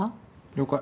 了解。